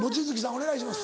お願いします。